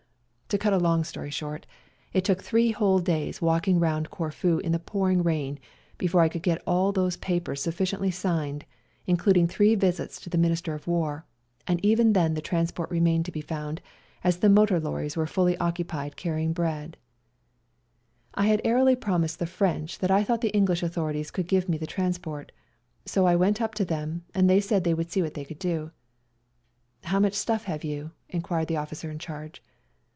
To cut a long story short, it took three whole days walking round Corfu in the pouring rain before I could get all those papers sufficiently signed, including three visits to the Minister of War, and even then the transport remained to be found, as the motor lorries were fully occupied carrying bread. 222 WE GO TO CORFU I had airily promised the French that I thought the EngHsh authorities could gtve me the transport; so I went up to them, and they said they would see what they could do. " How much stuff have you ?" inquired the officer in charge.